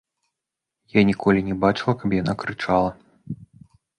Я ніколі не бачыла, каб яна крычала.